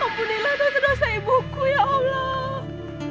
ampunilah dosa dosa ibuku ya allah